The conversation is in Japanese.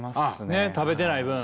ねっ食べてない分。